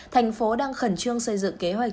thành phố đang khẩn trương xây dựng kế hoạch